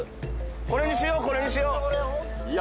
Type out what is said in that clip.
これにしようこれにしよういや